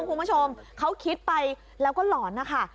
คุณผู้ชมเขาคิดไปแล้วก็หลอนนะคะ